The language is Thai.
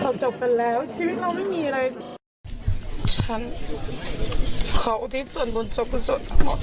จบกันแล้วชีวิตเราไม่มีอะไรฉันขออุทิศส่วนบุญส่วนกุศลทั้งหมด